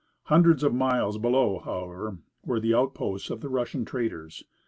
Hundreds of miles below, however, were the outposts of the Russian traders.